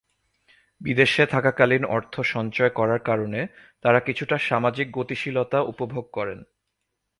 বিদেশে থাকাকালীন অর্থ সঞ্চয় করার কারণে তারা কিছুটা সামাজিক গতিশীলতা উপভোগ করেন।